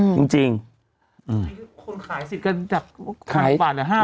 คือคนขายสิจการจากขายป่าอยู่หรือห้าร้อย